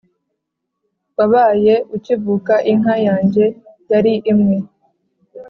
Wabaye ukivuka, Inka yanjye yari imwe